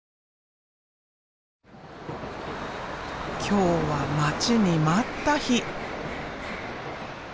今日は待ちに待った日。